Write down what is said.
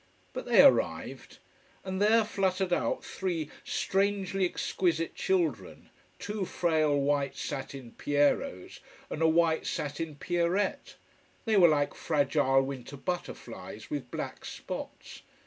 But they arrived. And there fluttered out three strangely exquisite children, two frail, white satin Pierrots and a white satin Pierrette. They were like fragile winter butterflies with black spots.